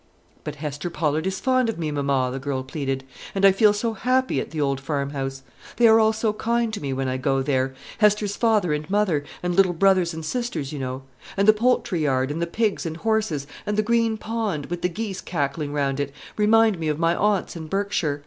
"But Hester Pollard is fond of me, mamma," the girl pleaded; "and I feel so happy at the old farm house! They are all so kind to me when I go there, Hester's father and mother, and little brothers and sisters, you know; and the poultry yard, and the pigs and horses, and the green pond, with the geese cackling round it, remind me of my aunt's, in Berkshire.